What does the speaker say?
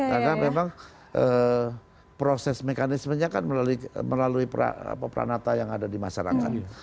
karena memang proses mekanismenya kan melalui peranata yang ada di masyarakat